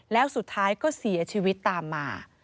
แล้วสุดท้ายก็เสียชีวิตตามมา